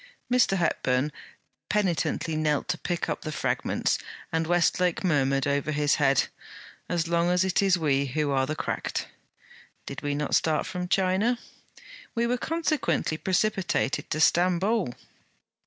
Mr. Hepburn penitentially knelt to pick up the fragments, and Westlake murmured over his head: 'As long as it is we who are the cracked.' 'Did we not start from China?' 'We were consequently precipitated to Stamboul.'